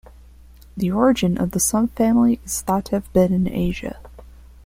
The origin of the subfamily is thought to have been in Asia.